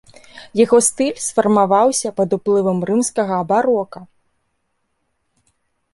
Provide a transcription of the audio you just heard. Яго стыль сфармаваўся пад уплывам рымскага барока.